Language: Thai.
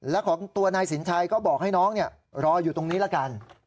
และของตัวนายสินชัยก็บอกให้น้องรออยู่ตรงนี้ละกัน